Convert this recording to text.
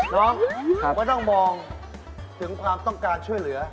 น้องผมก็ต้องมองถึงความต้องการช่วยเหลือ